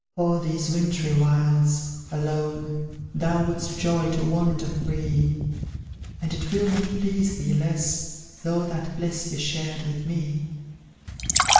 O'er these wintry wilds, ALONE, Thou wouldst joy to wander free; And it will not please thee less, Though that bliss be shared with me.